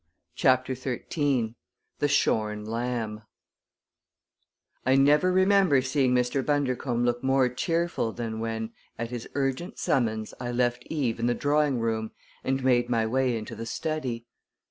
CHAPTER XIII "THE SHORN LAMB" I never remembered seeing Mr. Bundercombe look more cheerful than when, at his urgent summons, I left Eve in the drawing room and made my way into the study.